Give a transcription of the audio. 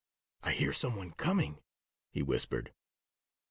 "I hear some one coming," he whispered.